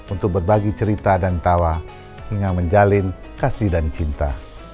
untuk berbagi cerita dan tawa hingga menjalin kasih dan cinta